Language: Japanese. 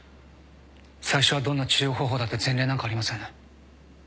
最初はどんな治療方法だって前例なんかありません。